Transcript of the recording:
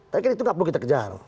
tapi kan itu nggak perlu kita kejar